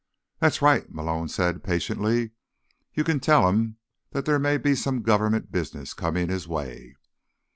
"That's right," Malone said patiently. "You can tell him that there may be some government business coming his way."